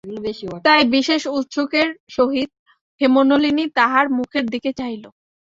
তাই বিশেষ ঔৎসুক্যের সহিত হেমনলিনী তাহার মুখের দিকে চাহিল।